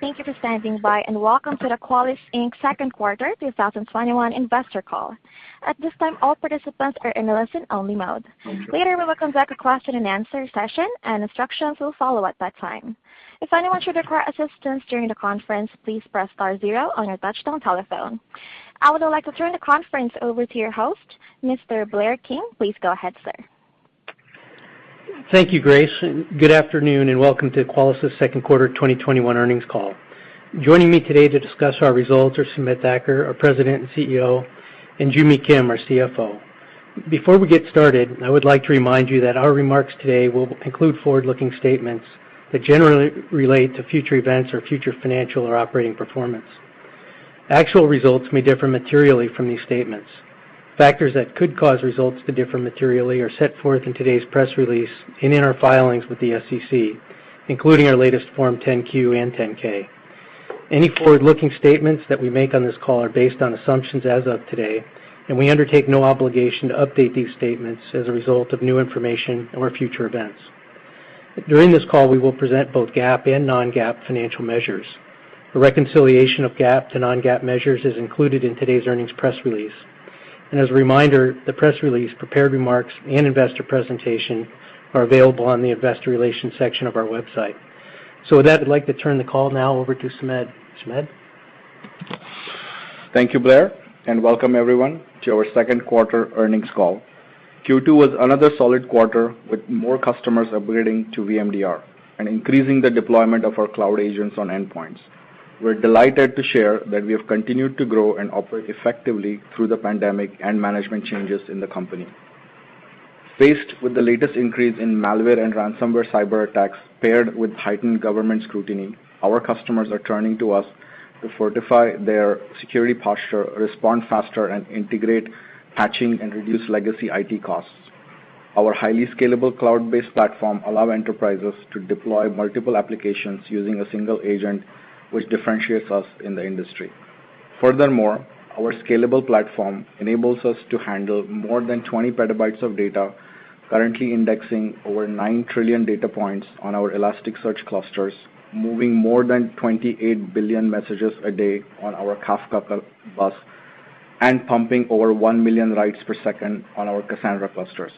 Thank you for standing by, and welcome to the Qualys Inc. Second Quarter 2021 Investor Call. At this time, all participants are in a listen-only mode. Later, we will conduct a question and answer session, and instructions will follow at that time. If anyone should require assistance during the conference, please press star zero on your touchtone telephone. I would like to turn the conference over to your host, Mr. Blair King. Please go ahead, sir. Thank you, Grace. Good afternoon, and welcome to Qualys' Second Quarter 2021 Earnings Call. Joining me today to discuss our results are Sumedh Thakar, our President and CEO, and Joo Mi Kim, our CFO. Before we get started, I would like to remind you that our remarks today will include forward-looking statements that generally relate to future events or future financial or operating performance. Actual results may differ materially from these statements. Factors that could cause results to differ materially are set forth in today's press release and in our filings with the SEC, including our latest Form 10-Q and 10-K. Any forward-looking statements that we make on this call are based on assumptions as of today, and we undertake no obligation to update these statements as a result of new information or future events. During this call, we will present both GAAP and non-GAAP financial measures. A reconciliation of GAAP to non-GAAP measures is included in today's earnings press release. As a reminder, the press release, prepared remarks, and investor presentation are available on the investor relations section of our website. With that, I'd like to turn the call now over to Sumedh. Sumedh? Thank you, Blair. Welcome everyone to our second quarter earnings call. Q2 was another solid quarter with more customers upgrading to VMDR and increasing the deployment of our Cloud Agents on endpoints. We're delighted to share that we have continued to grow and operate effectively through the pandemic and management changes in the company. Faced with the latest increase in malware and ransomware cyber attacks, paired with heightened government scrutiny, our customers are turning to us to fortify their security posture, respond faster, and integrate patching, and reduce legacy IT costs. Our highly scalable cloud-based platform allow enterprises to deploy multiple applications using a single agent, which differentiates us in the industry. Furthermore, our scalable platform enables us to handle more than 20 petabytes of data, currently indexing over 9 trillion data points on our Elasticsearch clusters, moving more than 28 billion messages a day on our Kafka bus, and pumping over 1 million writes per second on our Cassandra clusters.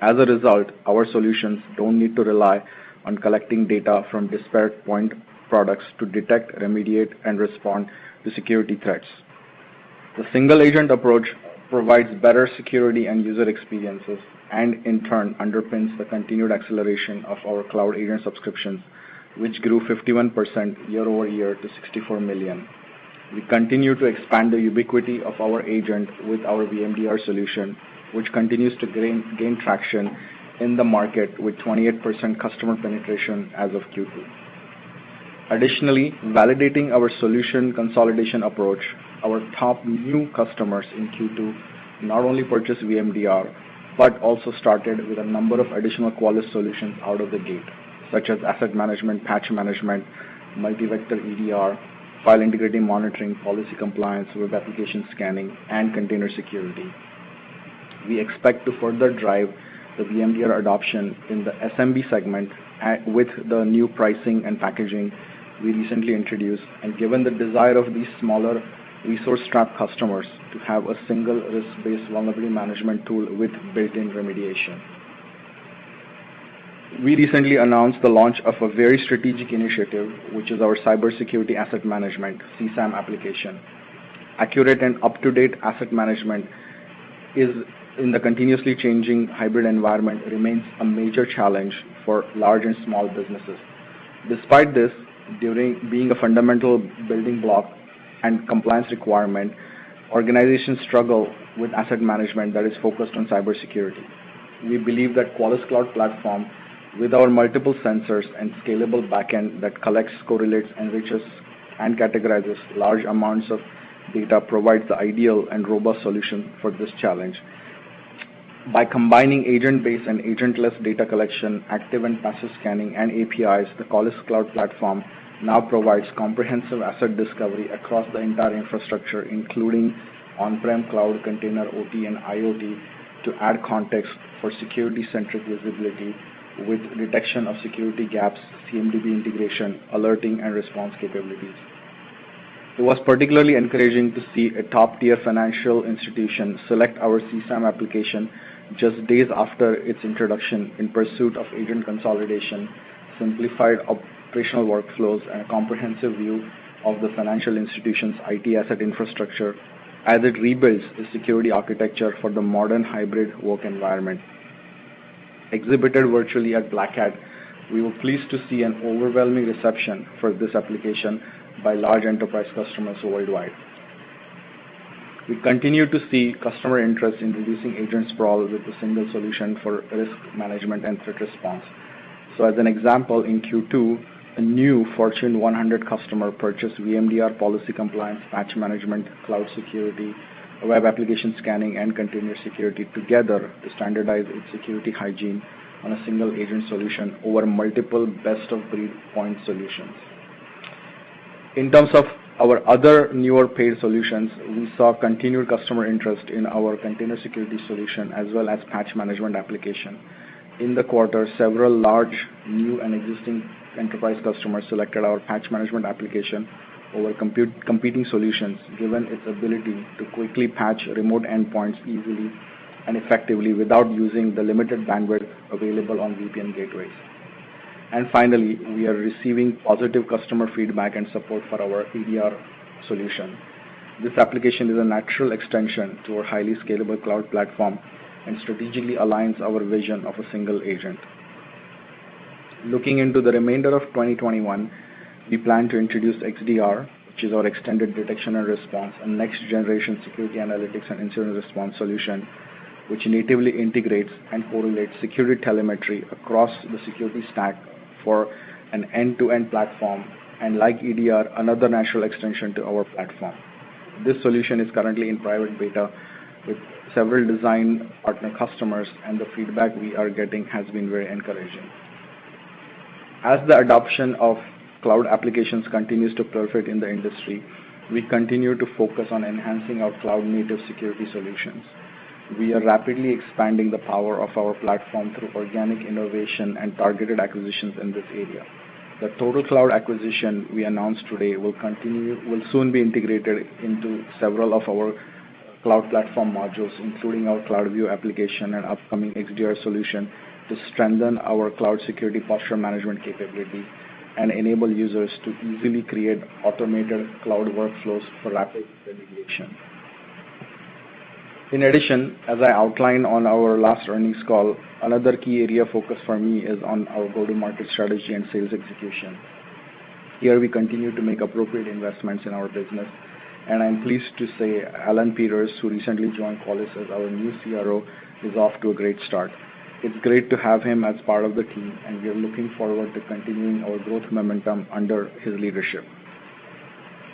As a result, our solutions don't need to rely on collecting data from disparate point products to detect, remediate, and respond to security threats. The single-agent approach provides better security and user experiences, and in turn underpins the continued acceleration of our Cloud Agent subscriptions, which grew 51% year-over-year to $64 million. We continue to expand the ubiquity of our agent with our VMDR solution, which continues to gain traction in the market with 28% customer penetration as of Q2. Additionally, validating our solution consolidation approach, our top new customers in Q2 not only purchased VMDR but also started with a number of additional Qualys solutions out of the gate, such as Asset Management, Patch Management, Multi-Vector EDR, File Integrity Monitoring, Policy Compliance, Web Application Scanning, and Container Security. We expect to further drive the VMDR adoption in the SMB segment with the new pricing and packaging we recently introduced, and given the desire of these smaller resource-strapped customers to have a single risk-based vulnerability management tool with built-in remediation. We recently announced the launch of a very strategic initiative, which is our CyberSecurity Asset Management, CSAM application. Accurate and up-to-date asset management, in the continuously changing hybrid environment, remains a major challenge for large and small businesses. Despite this, being a fundamental building block and compliance requirement, organizations struggle with asset management that is focused on cybersecurity. We believe that Qualys Cloud Platform, with our multiple sensors and scalable backend that collects, correlates, enriches, and categorizes large amounts of data, provides the ideal and robust solution for this challenge. By combining agent-based and agentless data collection, active and passive scanning, and APIs, the Qualys Cloud Platform now provides comprehensive asset discovery across the entire infrastructure, including on-prem cloud container, OT, and IoT, to add context for security-centric visibility with detection of security gaps, CMDB integration, alerting, and response capabilities. It was particularly encouraging to see a top-tier financial institution select our CSAM application just days after its introduction in pursuit of agent consolidation, simplified operational workflows, and a comprehensive view of the financial institution's IT asset infrastructure as it rebuilds the security architecture for the modern hybrid work environment. Exhibited virtually at Black Hat, we were pleased to see an overwhelming reception for this application by large enterprise customers worldwide. We continue to see customer interest in reducing agent sprawl with a single solution for risk management and threat response. As an example, in Q2, a new Fortune 100 customer purchased VMDR, Policy Compliance, Patch Management, Cloud Security, Web Application Scanning, and Container Security together to standardize its security hygiene on a single-agent solution over multiple best-of-breed point solutions. In terms of our other newer paid solutions, we saw continued customer interest in our Container Security solution as well as Patch Management application. In the quarter, several large, new and existing enterprise customers selected our Patch Management application over competing solutions, given its ability to quickly patch remote endpoints easily and effectively without using the limited bandwidth available on VPN gateways. Finally, we are receiving positive customer feedback and support for our EDR solution. This application is a natural extension to our highly scalable cloud platform and strategically aligns our vision of a single agent. Looking into the remainder of 2021, we plan to introduce XDR, which is our Extended Detection and Response and next generation security analytics and incident response solution, which natively integrates and correlates security telemetry across the security stack for an end-to-end platform, and like EDR, another natural extension to our platform. This solution is currently in private beta with several design partner customers, and the feedback we are getting has been very encouraging. As the adoption of cloud applications continues to percolate in the industry, we continue to focus on enhancing our cloud-native security solutions. We are rapidly expanding the power of our platform through organic innovation and targeted acquisitions in this area. The TotalCloud acquisition we announced today will soon be integrated into several of our cloud platform modules, including our CloudView application and upcoming XDR solution, to strengthen our Cloud Security Posture Management capability and enable users to easily create automated cloud workflows for rapid remediation. In addition, as I outlined on our last earnings call, another key area of focus for me is on our go-to-market strategy and sales execution. Here, we continue to make appropriate investments in our business, and I'm pleased to say Allan Peters, who recently joined Qualys as our new CRO, is off to a great start. It's great to have him as part of the team, and we are looking forward to continuing our growth momentum under his leadership.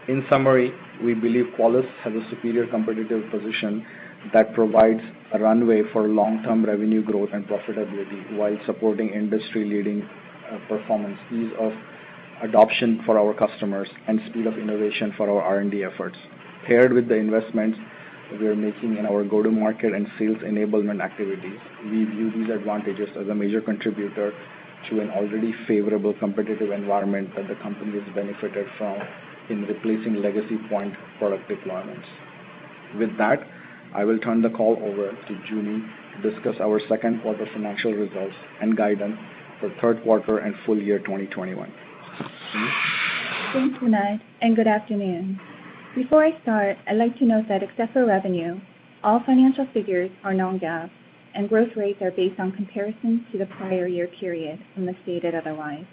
In summary, we believe Qualys has a superior competitive position that provides a runway for long-term revenue growth and profitability while supporting industry-leading, performance, ease of adoption for our customers, and speed of innovation for our R&D efforts. Paired with the investments we are making in our go-to-market and sales enablement activities, we view these advantages as a major contributor to an already favorable competitive environment that the company has benefited from in replacing legacy point product deployments. With that, I will turn the call over to Joo Mi to discuss our second quarter financial results and guidance for third quarter and full year 2021. Joo Mi? Thanks, Sumedh Thakar. Good afternoon. Before I start, I'd like to note that except for revenue, all financial figures are non-GAAP, and growth rates are based on comparisons to the prior year period unless stated otherwise.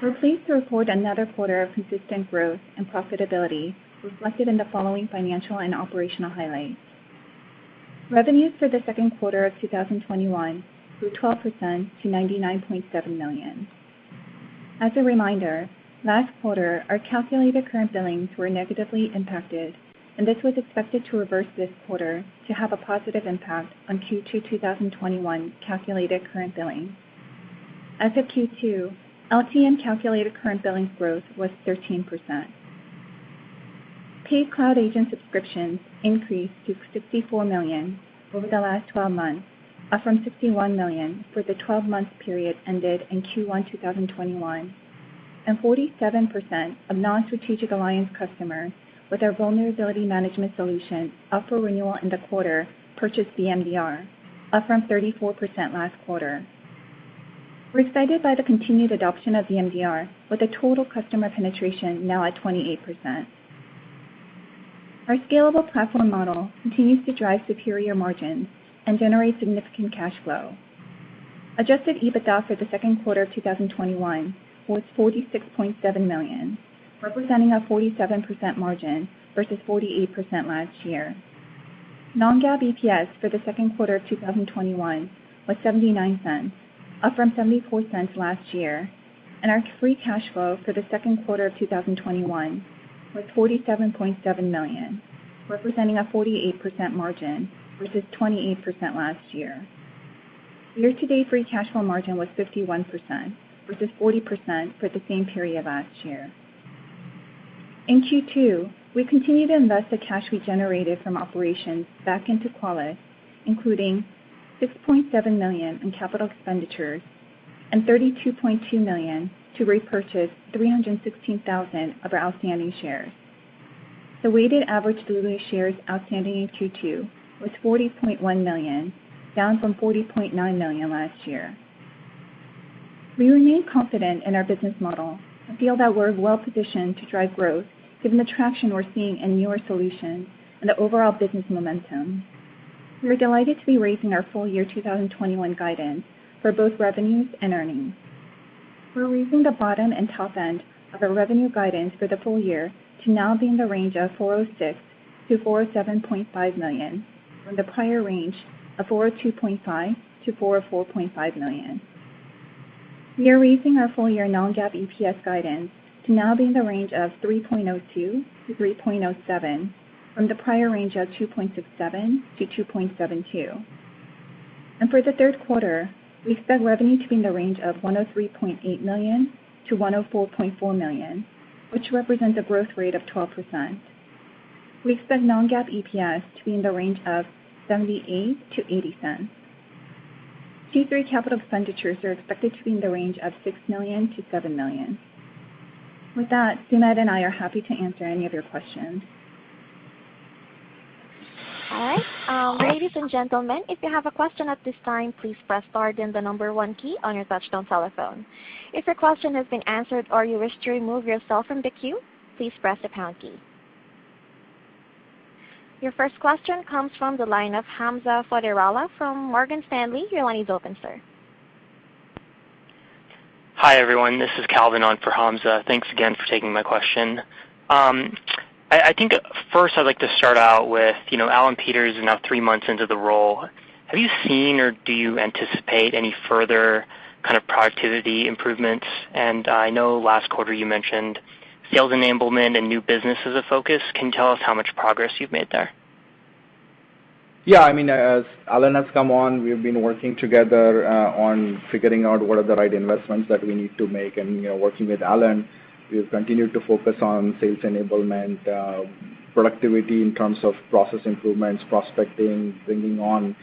We're pleased to report another quarter of consistent growth and profitability reflected in the following financial and operational highlights. Revenues for the second quarter of 2021 grew 12% to $99.7 million. As a reminder, last quarter, our calculated current billings were negatively impacted, and this was expected to reverse this quarter to have a positive impact on Q2 2021 calculated current billing. As of Q2, LTM calculated current billings growth was 13%. Paid Cloud Agent subscriptions increased to $64 million over the last 12 months, up from $61 million for the 12-month period ended in Q1 2021, 47% of non-strategic alliance customers with our vulnerability management solution up for renewal in the quarter purchased VMDR, up from 34% last quarter. We're excited by the continued adoption of VMDR with a total customer penetration now at 28%. Our scalable platform model continues to drive superior margins and generate significant cash flow. Adjusted EBITDA for the second quarter of 2021 was $46.7 million, representing a 47% margin versus 48% last year. non-GAAP EPS for the second quarter of 2021 was $0.79, up from $0.74 last year. Our free cash flow for the second quarter of 2021 was $47.7 million, representing a 48% margin versus 28% last year. Year-to-date free cash flow margin was 51% versus 40% for the same period last year. In Q2, we continued to invest the cash we generated from operations back into Qualys, including $6.7 million in capital expenditures and $32.2 million to repurchase 316,000 of our outstanding shares. The weighted average diluted shares outstanding in Q2 was 40.1 million, down from 40.9 million last year. We remain confident in our business model and feel that we're well-positioned to drive growth given the traction we're seeing in newer solutions and the overall business momentum. We are delighted to be raising our full year 2021 guidance for both revenues and earnings. We're raising the bottom and top end of our revenue guidance for the full year to now be in the range of $406 million-$407.5 million from the prior range of $402.5 million-$404.5 million. We are raising our full-year non-GAAP EPS guidance to now be in the range of $3.02-$3.07 from the prior range of $2.67-$2.72. For the third quarter, we expect revenue to be in the range of $103.8 million-$104.4 million, which represents a growth rate of 12%. We expect non-GAAP EPS to be in the range of $0.78-$0.80. Q3 capital expenditures are expected to be in the range of $6 million-$7 million. With that, Sumedh and I are happy to answer any of your questions. All right. Ladies and gentlemen, if you have a question at this time, please press star then the number one key on your touch-tone telephone. If your question has been answered or you wish to remove yourself from the queue, please press the pound key. Your first question comes from the line of Hamza Fodderwala from Morgan Stanley. Your line is open, sir. Hi, everyone. This is Calvin on for Hamza. Thanks again for taking my question. I think first I'd like to start out with Allan Peters is now three months into the role. Have you seen or do you anticipate any further kind of productivity improvements? I know last quarter you mentioned sales enablement and new business as a focus. Can you tell us how much progress you've made there? Yeah. As Allan has come on, we've been working together on figuring out what are the right investments that we need to make. Working with Allan, we have continued to focus on sales enablement, productivity in terms of process improvements, prospecting, bringing on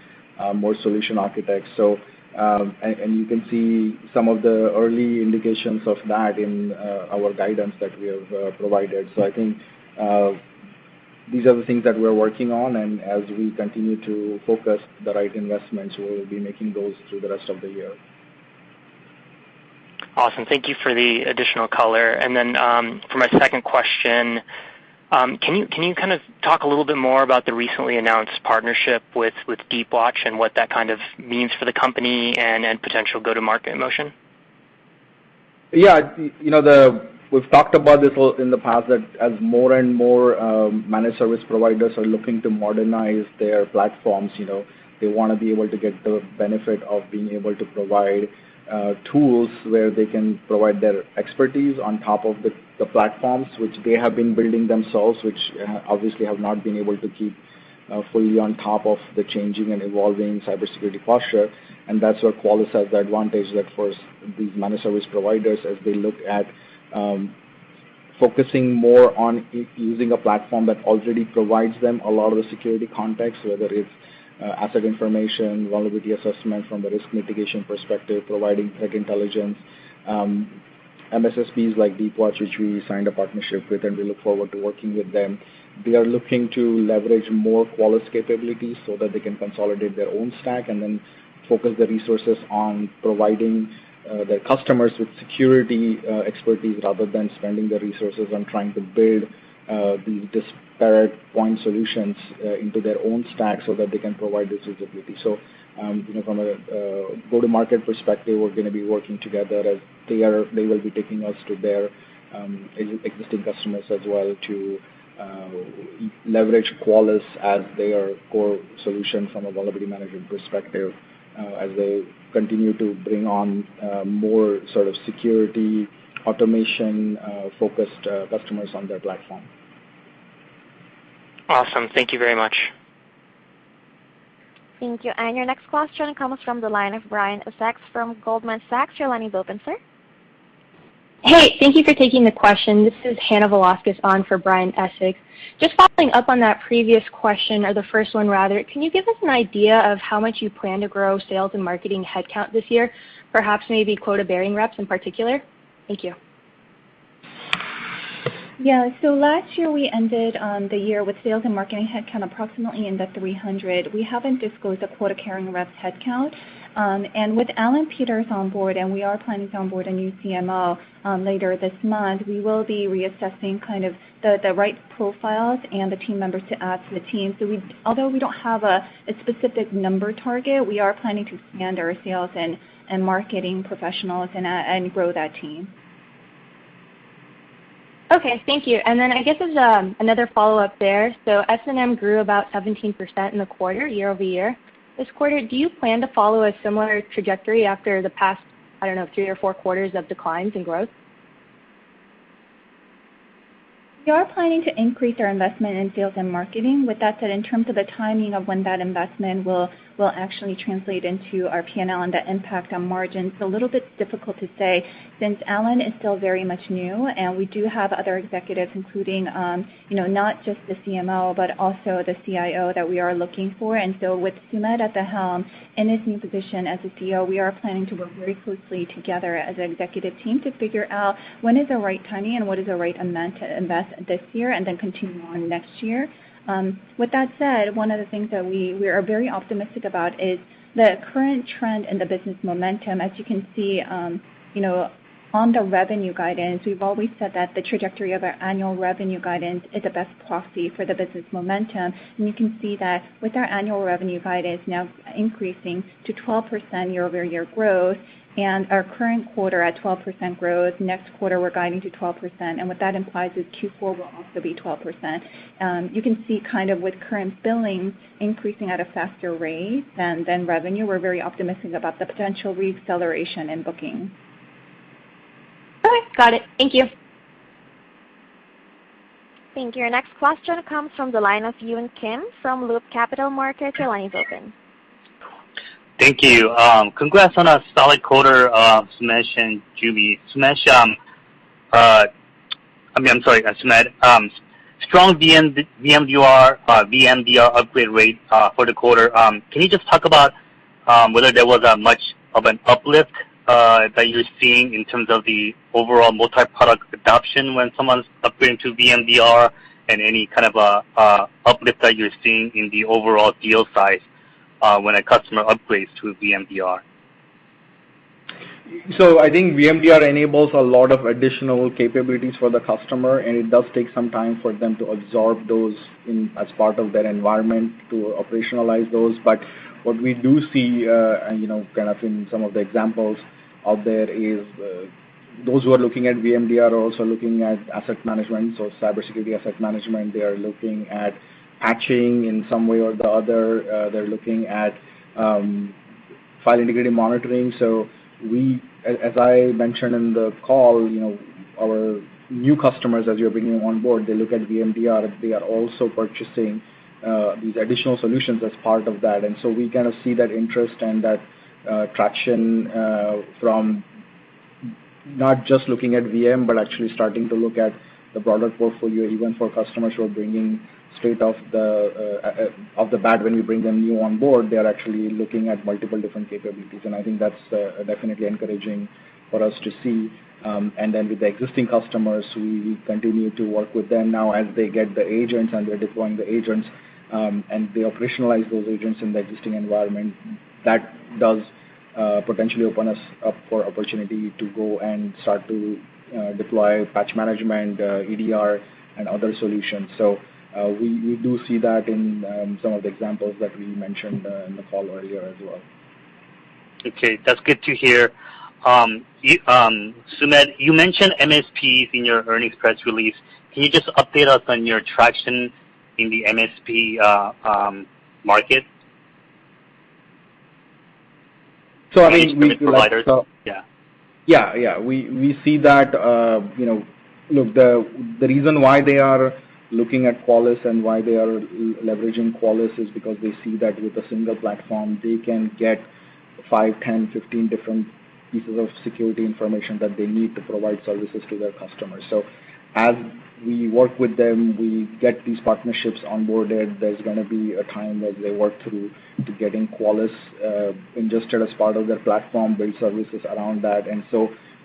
more solution architects. You can see some of the early indications of that in our guidance that we have provided. I think these are the things that we're working on, and as we continue to focus the right investments, we will be making those through the rest of the year. Awesome. Thank you for the additional color. For my second question, can you talk a little bit more about the recently announced partnership with Deepwatch and what that means for the company and potential go-to-market motion? We've talked about this in the past, that as more and more managed service providers are looking to modernize their platforms, they want to be able to get the benefit of being able to provide tools where they can provide their expertise on top of the platforms which they have been building themselves, which obviously have not been able to keep fully on top of the changing and evolving cybersecurity posture. That's where Qualys has the advantage that for these managed service providers, as they look at focusing more on using a platform that already provides them a lot of the security context, whether it's asset information, vulnerability assessment from a risk mitigation perspective, providing threat intelligence. MSSPs like Deepwatch, which we signed a partnership with, we look forward to working with them. They are looking to leverage more Qualys capabilities so that they can consolidate their own stack and then focus their resources on providing their customers with security expertise rather than spending their resources on trying to build these disparate point solutions into their own stack so that they can provide this visibility. From a go-to-market perspective, we're going to be working together as they will be taking us to their existing customers as well to leverage Qualys as their core solution from a vulnerability management perspective, as they continue to bring on more security automation-focused customers on their platform. Awesome. Thank you very much. Thank you. Your next question comes from the line of Brian Essex from Goldman Sachs. Your line is open, sir. Hey, thank you for taking the question. This is Hannah Velasquez on for Brian Essex. Just following up on that previous question, or the first one rather, can you give us an idea of how much you plan to grow sales and marketing headcount this year? Perhaps maybe quota-bearing reps in particular? Thank you. Last year we ended the year with sales and marketing headcount approximately in the 300. We haven't disclosed the quota-carrying reps headcount. With Allan Peters on board, and we are planning to onboard a new CMO later this month, we will be reassessing the right profiles and the team members to add to the team. Although we don't have a specific number target, we are planning to expand our sales and marketing professionals and grow that team. Okay, thank you. I guess as another follow-up there, S&M grew about 17% in the quarter year-over-year. This quarter, do you plan to follow a similar trajectory after the past, I don't know, three or four quarters of declines in growth? We are planning to increase our investment in sales and marketing. With that said, in terms of the timing of when that investment will actually translate into our P&L and the impact on margins, it's a little bit difficult to say since Allan is still very much new, and we do have other executives, including not just the CMO, but also the CIO that we are looking for. With Sumedh at the helm in his new position as the CEO, we are planning to work very closely together as an executive team to figure out when is the right timing and what is the right amount to invest this year and then continue on next year. With that said, one of the things that we are very optimistic about is the current trend in the business momentum. As you can see on the revenue guidance, we've always said that the trajectory of our annual revenue guidance is the best proxy for the business momentum, and you can see that with our annual revenue guidance now increasing to 12% year-over-year growth and our current quarter at 12% growth, next quarter we're guiding to 12%, and what that implies is Q4 will also be 12%. You can see with current billing increasing at a faster rate than revenue, we're very optimistic about the potential re-acceleration in booking. Okay, got it. Thank you. Thank you. Our next question comes from the line of Yun Kim from Loop Capital Markets. Your line is open. Thank you. Congrats on a solid quarter, Sumedh and Joo Mi. Sumedh, I'm sorry .strong VMDR upgrade rate for the quarter. Can you just talk about whether there was much of an uplift that you're seeing in terms of the overall multi-product adoption when someone's upgrading to VMDR and any kind of uplift that you're seeing in the overall deal size when a customer upgrades to VMDR? I think VMDR enables a lot of additional capabilities for the customer, and it does take some time for them to absorb those as part of their environment to operationalize those. What we do see, and in some of the examples out there, is those who are looking at VMDR are also looking at asset management. CyberSecurity Asset Management, they are looking at patching in some way or the other. They're looking at File Integrity Monitoring. As I mentioned in the call, our new customers, as you're bringing on board, they look at VMDR, they are also purchasing these additional solutions as part of that. We kind of see that interest and that traction from not just looking at VM, but actually starting to look at the product portfolio, even for customers who are bringing straight off the bat when we bring them new on board, they are actually looking at multiple different capabilities. I think that's definitely encouraging for us to see. With the existing customers, we continue to work with them now as they get the agents and they're deploying the agents, and they operationalize those agents in the existing environment. That does potentially open us up for opportunity to go and start to deploy Patch Management, EDR, and other solutions. We do see that in some of the examples that we mentioned in the call earlier as well. Okay, that's good to hear. Sumedh, you mentioned MSPs in your earnings press release. Can you just update us on your traction in the MSP market? I think. Managed Service Providers. Yeah. We see that the reason why they are looking at Qualys and why they are leveraging Qualys is because they see that with a single platform, they can get 5, 10, 15 different pieces of security information that they need to provide services to their customers. As we work with them, we get these partnerships onboarded. There's going to be a time that they work through to getting Qualys ingested as part of their platform, build services around that.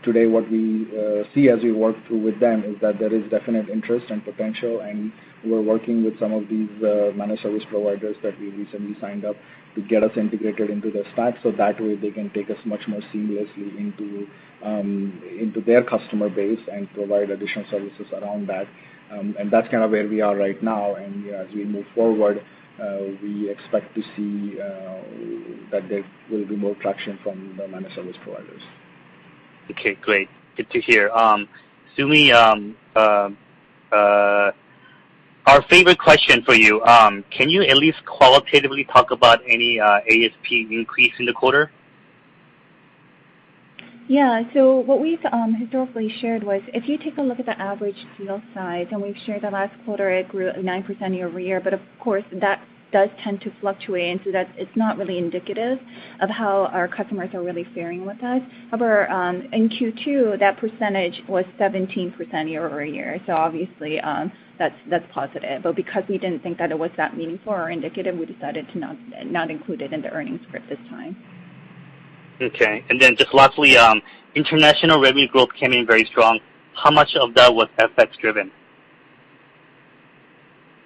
Today, what we see as we work through with them is that there is definite interest and potential, and we're working with some of these managed service providers that we recently signed up to get us integrated into their stack, so that way, they can take us much more seamlessly into their customer base and provide additional services around that. That's kind of where we are right now. As we move forward, we expect to see that there will be more traction from the managed service providers. Okay, great. Good to hear. Joo Mi, our favorite question for you. Can you at least qualitatively talk about any ASP increase in the quarter? What we've historically shared was, if you take a look at the average deal size, and we've shared the last quarter, it grew 9% year-over-year. Of course, that does tend to fluctuate, and so that it's not really indicative of how our customers are really faring with us. However, in Q2, that percentage was 17% year-over-year. Obviously, that's positive. Because we didn't think that it was that meaningful or indicative, we decided to not include it in the earnings script this time. Okay. Just lastly, international revenue growth came in very strong. How much of that was FX driven?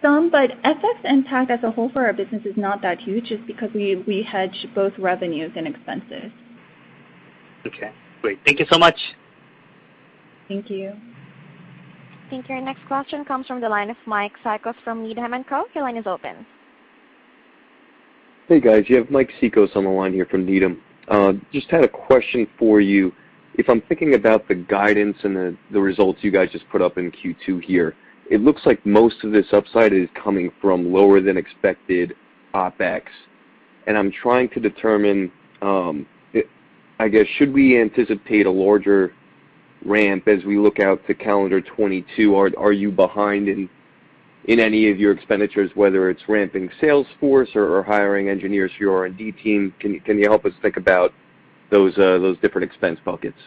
FX impact as a whole for our business is not that huge just because we hedge both revenues and expenses. Okay, great. Thank you so much. Thank you. I think your next question comes from the line of Mike Cikos from Needham & Company. Your line is open. Hey, guys. You have Mike Cikos on the line here from Needham. Just had a question for you. If I'm thinking about the guidance and the results you guys just put up in Q2 here, it looks like most of this upside is coming from lower than expected OpEx. I'm trying to determine, I guess, should we anticipate a larger ramp as we look out to calendar 2022? Are you behind in any of your expenditures, whether it's ramping sales force or hiring engineers for your R&D team? Can you help us think about those different expense buckets?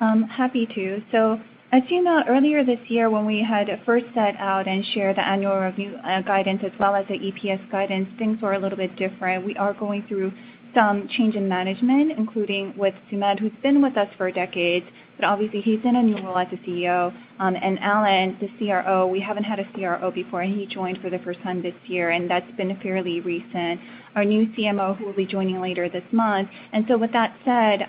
Happy to. As you know, earlier this year when we had first set out and shared the annual review guidance as well as the EPS guidance, things were a little bit different. We are going through some change in management, including with Sumedh, who's been with us for a decade, but obviously he's in a new role as the CEO. Allan, the CRO, we haven't had a CRO before, and he joined for the first time this year, and that's been fairly recent. Our new CMO, who will be joining later this month. With that said,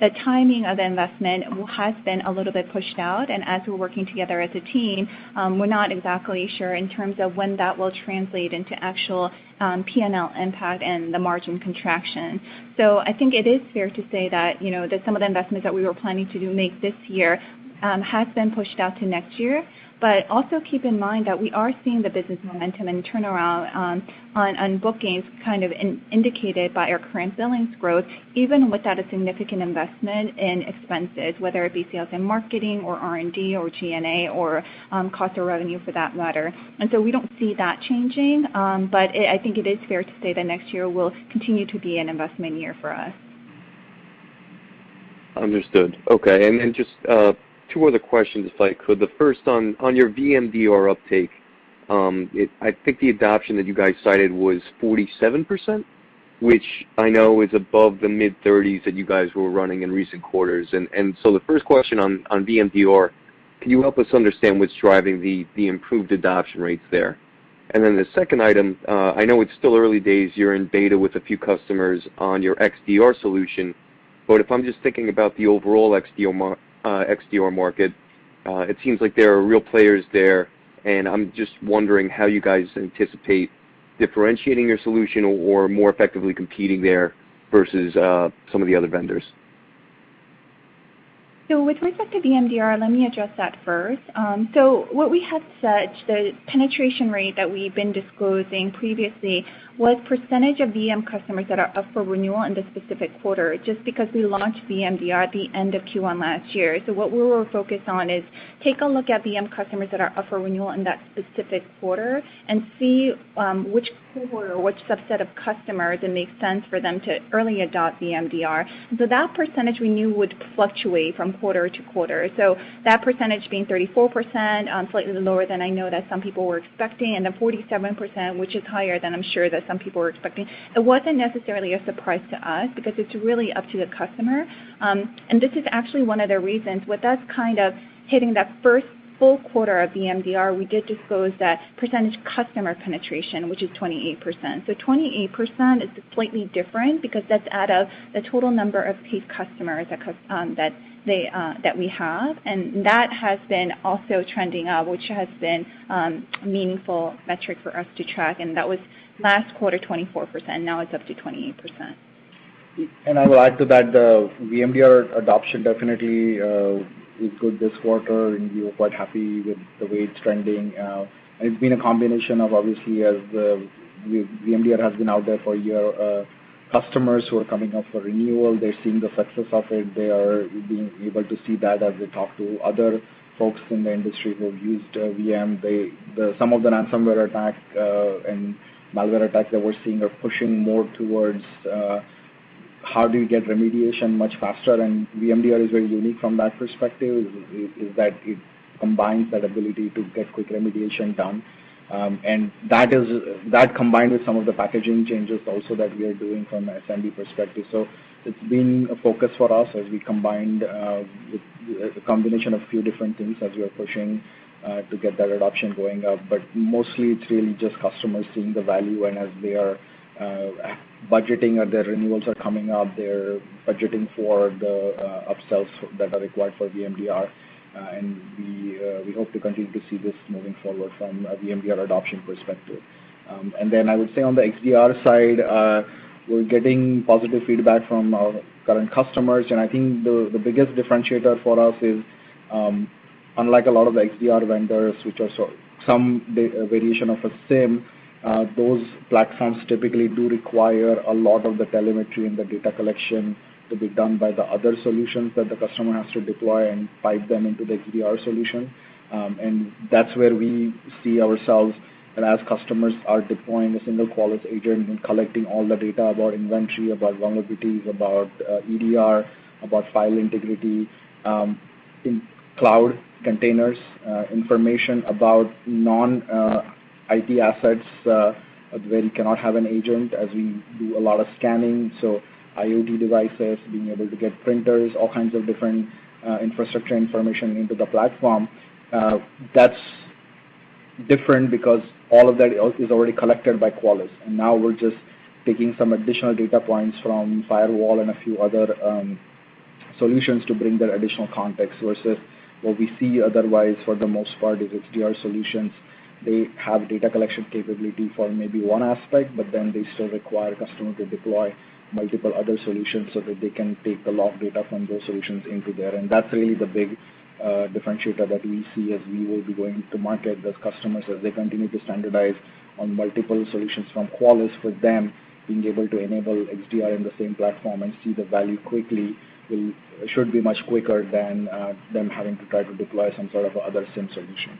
the timing of investment has been a little bit pushed out, and as we're working together as a team, we're not exactly sure in terms of when that will translate into actual P&L impact and the margin contraction. I think it is fair to say that some of the investments that we were planning to make this year have been pushed out to next year. Also keep in mind that we are seeing the business momentum and turnaround on bookings, kind of indicated by our current billings growth, even without a significant investment in expenses, whether it be sales and marketing or R&D or G&A or cost of revenue for that matter. We don't see that changing. I think it is fair to say that next year will continue to be an investment year for us. Understood. Okay. Then just two other questions, if I could. The first on your VMDR uptake, I think the adoption that you guys cited was 47%, which I know is above the mid-30s that you guys were running in recent quarters. The first question on VMDR, can you help us understand what's driving the improved adoption rates there? Then the second item, I know it's still early days, you're in beta with a few customers on your XDR solution, but if I'm just thinking about the overall XDR market, it seems like there are real players there, and I'm just wondering how you guys anticipate differentiating your solution or more effectively competing there versus some of the other vendors. With respect to VMDR, let me address that first. What we had said, the penetration rate that we've been disclosing previously was percentage of VM customers that are up for renewal in the specific quarter, just because we launched VMDR at the end of Q1 last year. What we were focused on is take a look at VM customers that are up for renewal in that specific quarter and see which cohort or which subset of customers it makes sense for them to early adopt VMDR. That percentage we knew would fluctuate from quarter to quarter. That percentage being 34%, slightly lower than I know that some people were expecting, and then 47%, which is higher than I'm sure that some people were expecting. It wasn't necessarily a surprise to us because it's really up to the customer. This is actually one of the reasons, with us kind of hitting that first full quarter of VMDR, we did disclose that percentage customer penetration, which is 28%. 28% is slightly different because that's out of the total number of paid customers that we have. That has been also trending up, which has been a meaningful metric for us to track. That was last quarter, 24%. Now it's up to 28%. I will add to that, the VMDR adoption definitely was good this quarter and we were quite happy with the way it's trending. It's been a combination of, obviously, as VMDR has been out there for a year, customers who are coming up for renewal, they're seeing the success of it. They are being able to see that as they talk to other folks in the industry who have used VMDR. Some of the ransomware attack and malware attacks that we're seeing are pushing more towards how do you get remediation much faster. VMDR is very unique from that perspective, is that it combines that ability to get quick remediation done. That combined with some of the packaging changes also that we are doing from an SMB perspective. It's been a focus for us as we combined with a combination of few different things as we are pushing to get that adoption going up. Mostly it's really just customers seeing the value and as their renewals are coming up, they're budgeting for the upsells that are required for VMDR. We hope to continue to see this moving forward from a VMDR adoption perspective. Then I would say on the XDR side, we're getting positive feedback from our current customers. I think the biggest differentiator for us is, unlike a lot of the XDR vendors, which are some variation of a SIEM, those platforms typically do require a lot of the telemetry and the data collection to be done by the other solutions that the customer has to deploy and pipe them into the XDR solution. That's where we see ourselves. As customers are deploying a single Qualys Agent and collecting all the data about inventory, about vulnerabilities, about EDR, about file integrity, in cloud containers, information about non-IT assets, where you cannot have an agent, as we do a lot of scanning, so IoT devices, being able to get printers, all kinds of different infrastructure information into the platform. That's different because all of that is already collected by Qualys, and now we're just taking some additional data points from firewall and a few other solutions to bring that additional context versus what we see otherwise, for the most part, is XDR solutions. They have data collection capability for maybe one aspect, but then they still require customer to deploy multiple other solutions so that they can take the log data from those solutions into there. That's really the big differentiator that we see as we will be going to market with customers as they continue to standardize on multiple solutions from Qualys for them being able to enable XDR in the same platform and see the value quickly. It should be much quicker than them having to try to deploy some sort of other SIEM solution.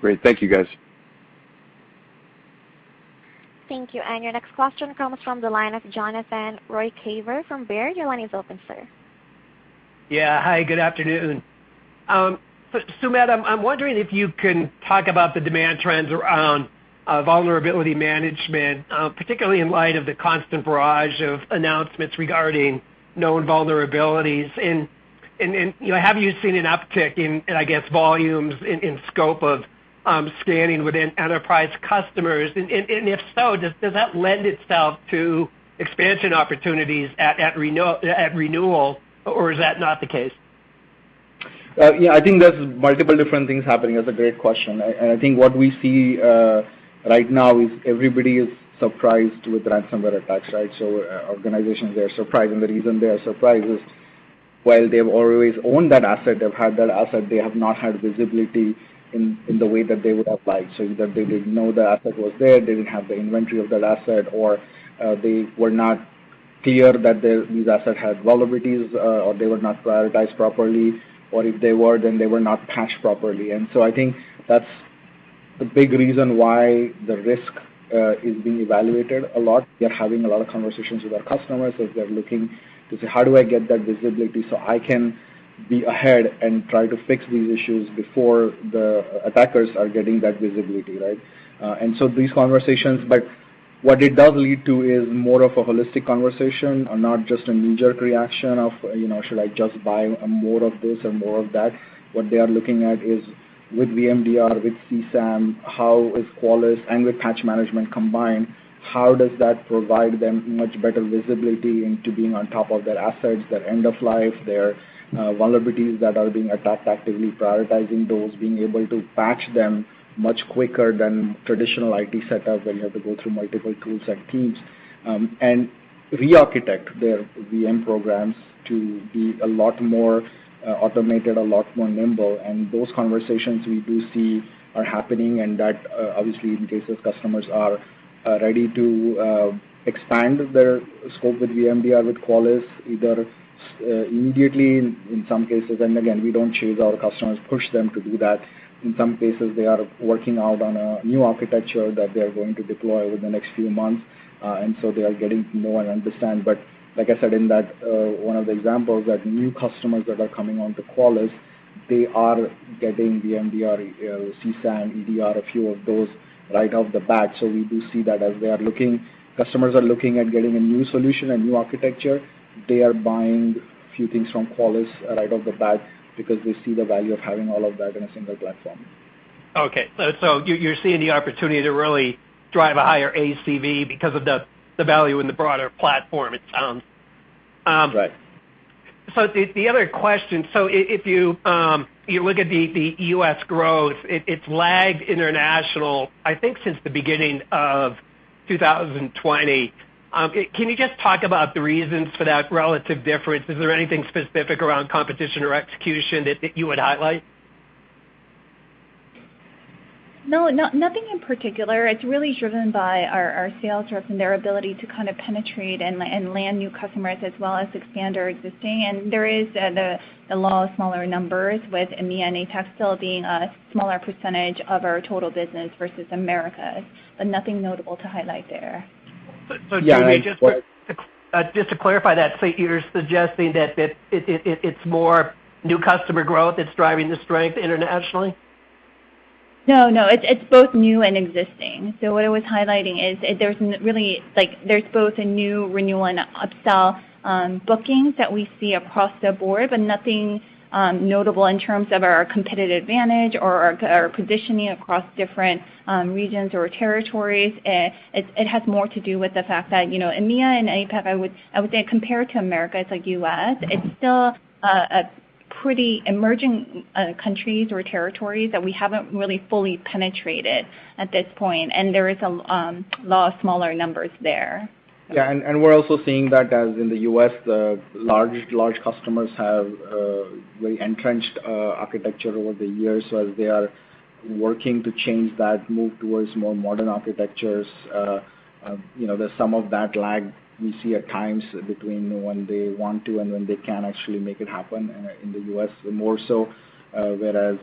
Great. Thank you, guys. Thank you. Your next question comes from the line of Jonathan Ruykhaver from Baird. Your line is open, sir. Yeah. Hi, good afternoon. Matt, I'm wondering if you can talk about the demand trends around vulnerability management, particularly in light of the constant barrage of announcements regarding known vulnerabilities. Have you seen an uptick in, I guess, volumes in scope of scanning within enterprise customers? If so, does that lend itself to expansion opportunities at renewal, or is that not the case? Yeah, I think there's multiple different things happening. That's a great question. I think what we see right now is everybody is surprised with ransomware attacks, right? Organizations, they are surprised, and the reason they are surprised is while they've always owned that asset, they've had that asset, they have not had visibility in the way that they would have liked. Either they didn't know the asset was there, they didn't have the inventory of that asset, or they were not clear that these assets had vulnerabilities, or they were not prioritized properly, or if they were, then they were not patched properly. I think that's a big reason why the risk is being evaluated a lot. We are having a lot of conversations with our customers as they're looking to say, "How do I get that visibility so I can be ahead and try to fix these issues before the attackers are getting that visibility?" These conversations, but what it does lead to is more of a holistic conversation and not just a knee-jerk reaction of, should I just buy more of this or more of that? What they are looking at is with VMDR, with CSAM, how is Qualys and with Patch Management combined, how does that provide them much better visibility into being on top of their assets, their end of life, their vulnerabilities that are being attacked, actively prioritizing those, being able to patch them much quicker than traditional IT setup, when you have to go through multiple tools and teams, and rearchitect their VM programs to be a lot more automated, a lot more nimble. Those conversations we do see are happening, and that obviously indicates those customers are ready to expand their scope with VMDR, with Qualys, either immediately in some cases. Again, we don't chase our customers, push them to do that. In some cases, they are working out on a new architecture that they're going to deploy over the next few months. They are getting to know and understand. Like I said in one of the examples, that new customers that are coming on to Qualys, they are getting VMDR, CSAM, EDR, a few of those right off the bat. We do see that as customers are looking at getting a new solution, a new architecture, they are buying a few things from Qualys right off the bat because they see the value of having all of that in a single platform. Okay. You're seeing the opportunity to really drive a higher ACV because of the value in the broader platform, it sounds. Right. The other question, if you look at the U.S. growth, it's lagged international, I think since the beginning of 2020. Can you just talk about the reasons for that relative difference? Is there anything specific around competition or execution that you would highlight? No, nothing in particular. It's really driven by our sales reps and their ability to kind of penetrate and land new customers as well as expand our existing. There is the law of smaller numbers with EMEA and APEJ still being a smaller percentage of our total business versus Americas, but nothing notable to highlight there. Joo Mi, just to clarify that, so you're suggesting that it's more new customer growth that's driving the strength internationally? It's both new and existing. What I was highlighting is there's both a new renewal and upsell bookings that we see across the board, but nothing notable in terms of our competitive advantage or our positioning across different regions or territories. It has more to do with the fact that EMEA and APEJ, I would say compared to America, it's like U.S., it's still a pretty emerging countries or territories that we haven't really fully penetrated at this point. There is a law of smaller numbers there. Yeah, we're also seeing that as in the U.S., the large customers have very entrenched architecture over the years. As they are working to change that move towards more modern architectures, there's some of that lag we see at times between when they want to and when they can actually make it happen in the U.S. more so, whereas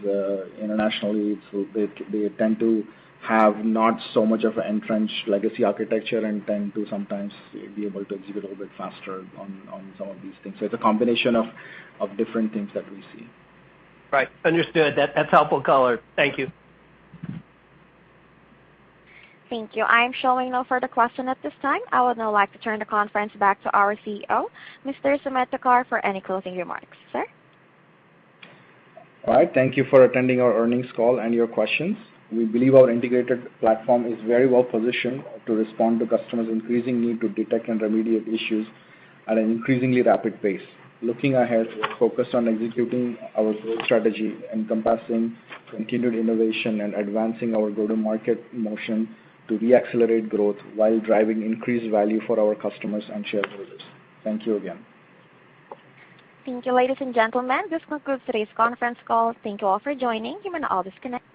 internationally, they tend to have not so much of an entrenched legacy architecture and tend to sometimes be able to execute a little bit faster on some of these things. It's a combination of different things that we see. Right. Understood. That's helpful color. Thank you. Thank you. I am showing no further question at this time. I would now like to turn the conference back to our CEO, Mr. Sumedh Thakar, for any closing remarks. Sir? All right. Thank you for attending our earnings call and your questions. We believe our integrated platform is very well positioned to respond to customers' increasing need to detect and remediate issues at an increasingly rapid pace. Looking ahead, we're focused on executing our growth strategy, encompassing continued innovation and advancing our go-to-market motion to re-accelerate growth while driving increased value for our customers and shareholders. Thank you again. Thank you, ladies and gentlemen. This concludes today's conference call. Thank you all for joining. You may all disconnect.